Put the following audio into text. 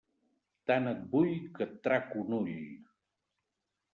Tant et vull que et trac un ull.